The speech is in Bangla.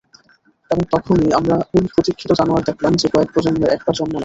এবং তখনই আমরা ওই প্রতীক্ষিত জানোয়ার দেখলাম, যে কয়েক প্রজন্মে একবার জন্ম নেয়।